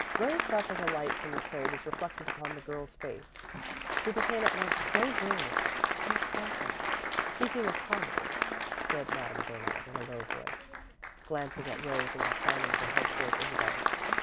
Rose thought that the light from the tray was reflected upon the girl's face, she became at once so brilliant, so sparkling. "Speaking of harmony " said Madame Bernard, in a low tone, glancing at Rose and inclining her head toward Isabel.